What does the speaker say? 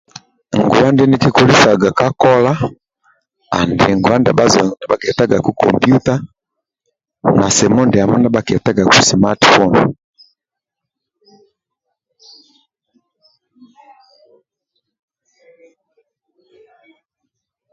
Nguwa ndie nikikolisaga ka kola andi nguwa ndia bhakietagaku computa na simu ndiamo dia bhakietagaku simati foni